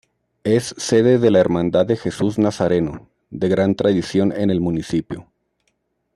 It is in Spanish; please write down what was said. Es sede de la Hermandad de Jesús Nazareno, de gran tradición en el municipio.